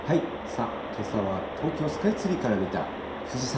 けさは東京スカイツリーから見た富士山。